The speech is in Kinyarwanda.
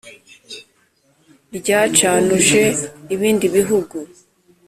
ryacanuje ibindi bihugu